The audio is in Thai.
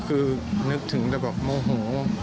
คือนึกถึงแต่แบบโมโห